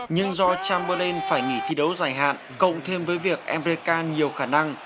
nhưng do chamberlain phải nghỉ thi đấu dài hạn cộng thêm với việc america nhiều khả năng